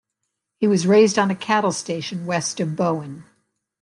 He was raised on a cattle station west of Bowen.